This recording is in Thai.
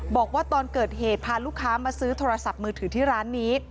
บอกว่าตอนเกิดเหตุพาลูกค้ามาซื้อโทรศัพท์มือถือที่ร้านนี้